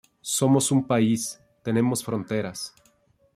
Somos un país, tenemos fronteras.